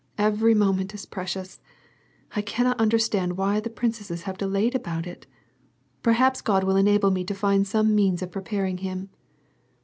Every moment is precious. I cannot understand why the princesses have delayed about it. Perhaps God will enable me to find some means of preparing him.